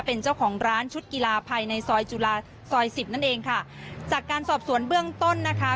เป็นเจ้าของร้านชุดกีฬาภายในซอยจุฬาซอยสิบนั่นเองค่ะจากการสอบสวนเบื้องต้นนะคะ